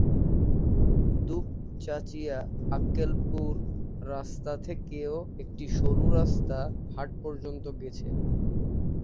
দুপচাঁচিয়া-আক্কেলপুর রাস্তা থেকেও একটি সরু রাস্তা হাট পযর্ন্ত গেছে।